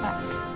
ya ampun pak